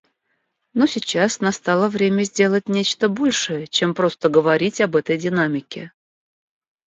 Но сейчас настало время сделать нечто большее, чем просто говорить об этой динамике.